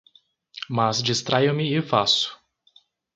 Mas distraio-me e faço.